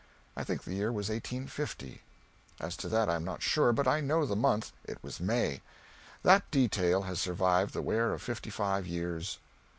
I think the year was 1850. As to that I am not sure, but I know the month it was May; that detail has survived the wear of fifty five years.